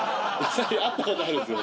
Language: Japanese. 会ったことあるんですよ